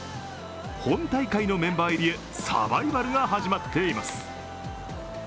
本大会のメンバー入りへサバイバルが始まっています。